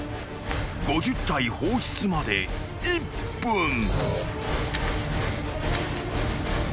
［５０体放出まで１分］